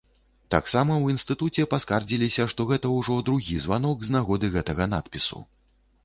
Таксама ў інстытуце паскардзіліся, што гэта ўжо другі званок з нагоды гэтага надпісу.